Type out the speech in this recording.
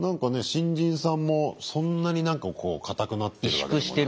新人さんもそんなになんか硬くなってるわけでもなく。